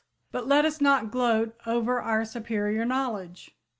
But let us not gloat over our superior knowledge.